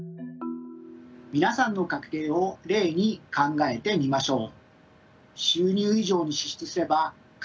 皆さんの家計を例に考えてみましょう。